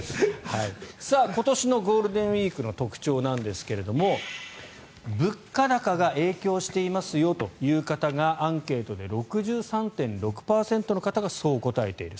今年のゴールデンウィークの特徴ですが物価高が影響していますよという方がアンケートで６３．６％の方がそう答えている。